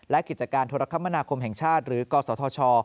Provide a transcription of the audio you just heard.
และกิจการโทรคมนาคมแห่งชาติหรือกศธช